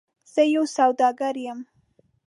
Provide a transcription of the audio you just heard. زه یو سوداګر یم .